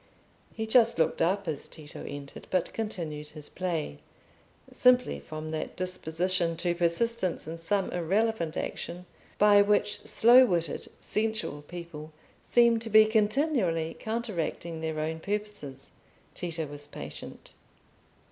He just looked up as Tito entered, but continued his play, simply from that disposition to persistence in some irrelevant action, by which slow witted sensual people seem to be continually counteracting their own purposes. Tito was patient.